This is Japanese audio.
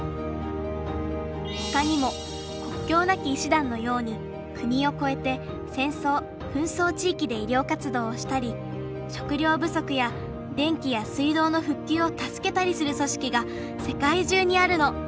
ほかにも国境なき医師団のように国をこえて戦争・紛争地域で医りょう活動をしたり食料ぶそくや電気や水道のふっきゅうを助けたりするそしきが世界中にあるの。